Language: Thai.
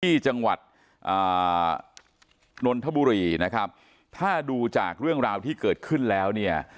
ที่จังหวัดอ่านนทบุรีนะครับถ้าดูจากเรื่องราวที่เกิดขึ้นแล้วเนี่ย